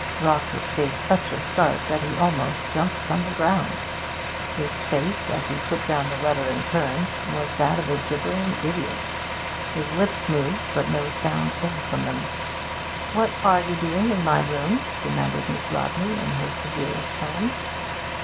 Rawcliffe gave such a start that he almost jumped from the ground. His face, as he put down the letter and turned, was that of a gibbering idiot; his lips moved, but no sound came from them. 'What are you doing in my room?' demanded Miss Rodney, in her severest tones.